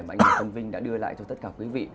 mà anh hoàng xuân vinh đã đưa lại cho tất cả quý vị